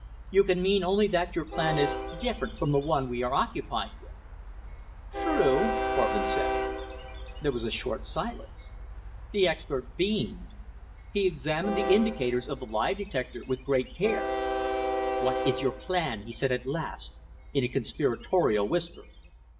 You can mean only that your plan is different from the one we are occupied with." "True," Korvin said. There was a short silence. The expert beamed. He examined the indicators of the lie detector with great care. "What is your plan?" he said at last, in a conspiratorial whisper.